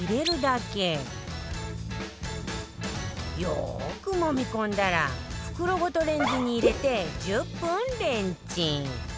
よーくもみ込んだら袋ごとレンジに入れて１０分レンチン